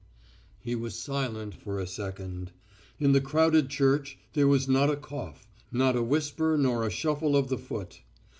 He was silent for a second. In the crowded church there was not a cough, not a whisper nor a shuffle of the foot.